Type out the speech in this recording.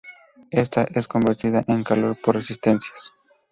Esta es convertida en calor por resistencias.